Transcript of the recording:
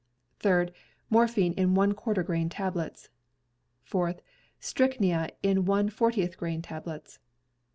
Third — Morphin in one quarter grain tablets. Fourth — Strychnia in one fortieth grain tablets.